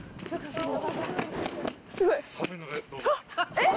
えっ？